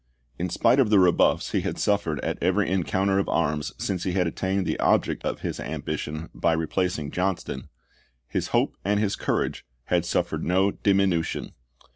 In spite of the rebuffs he had suffered at every encounter of arms since he had attained the object of his ambition by replac ing Johnston, his hope and his courage had suf fered no diminution.